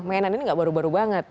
mainan ini gak baru baru banget